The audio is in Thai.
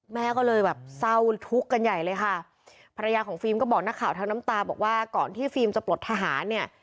แม่ก็เลยแบบเศร้าทุกข์กันใหญ่เลยค่ะภรรยาของฟิล์มก็บอกนักข่าวทั้งน้ำตาบอกว่าก่อนที่ฟิล์มจะปลดทหารเนี่ย